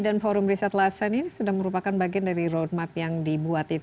dan forum riset life science ini sudah merupakan bagian dari road map yang dibuat